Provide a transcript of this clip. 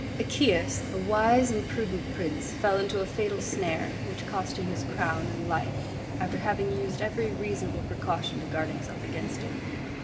Achaeus, a wise and prudent prince, fell into a fatal snare, which cost him his crown and life, after having used every reasonable precaution to guard himself against it.